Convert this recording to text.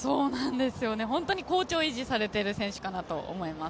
本当に好調を維持されている選手かなと思います。